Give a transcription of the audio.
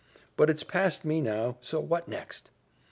But it's past me now so what next?"